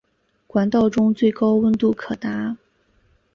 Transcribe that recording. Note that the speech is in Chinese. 管道中最高温度可达。